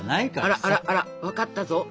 あらあらあら分かったぞ。